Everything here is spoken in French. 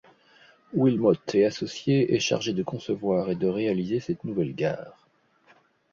Wilmotte et Associés est chargé de concevoir et de réaliser cette nouvelle gare.